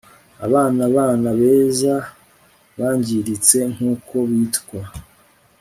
aba bana beza bangiritse, nkuko bitwa